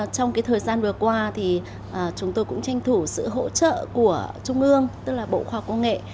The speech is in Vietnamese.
trong thời gian vừa qua thì chúng tôi cũng tranh thủ sự hỗ trợ của trung ương tức là bộ khoa công nghệ